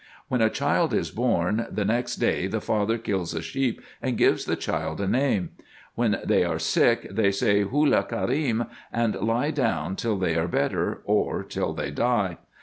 When a child is born, the next day the father kills a sheep, and gives the child a name. ^V^len they are sick, they say India kerim, and lie down till they are better, or till they die.